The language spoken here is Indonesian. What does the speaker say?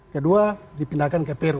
kedua dipindahkan ke peru